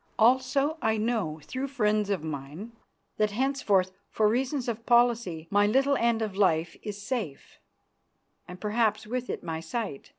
Also I know, through friends of mine, that henceforth, for reasons of policy, my little end of life is safe, and perhaps with it my sight.